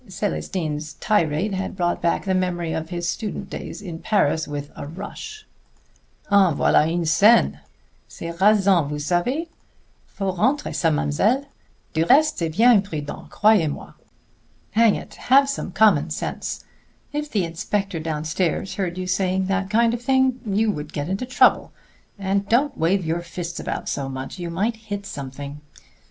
Célestine's tirade had brought back the memory of his student days in Paris with a rush. "En voilà une scène! C'est rasant, vous savez. Faut rentrer ça, mademoiselle. Du reste, c'est bien imprudent, croyez moi. Hang it! have some common sense! If the inspector downstairs heard you saying that kind of thing, you would get into trouble. And don't wave your fists about so much; you might hit something.